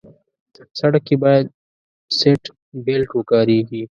سړک کې باید سیټ بیلټ وکارېږي.